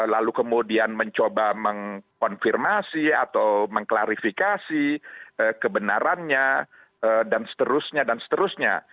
lalu kemudian mencoba mengkonfirmasi atau mengklarifikasi kebenarannya dan seterusnya dan seterusnya